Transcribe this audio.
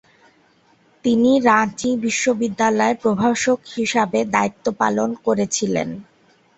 তিনি রাঁচি বিশ্ববিদ্যালয়ের প্রভাষক হিসাবে দায়িত্ব পালন করেছিলেন।